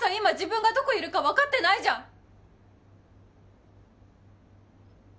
今自分がどこいるか分かってないじゃん